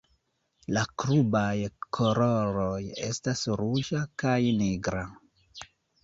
La klubaj koloroj estas ruĝa kaj nigra.